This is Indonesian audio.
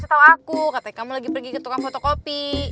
setahu aku katanya kamu lagi pergi ke tukang fotokopi